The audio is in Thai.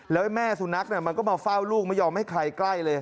แล้วแม่สุนัขมันก็มาเฝ้าลูกไม่ยอมให้ใครใกล้เลย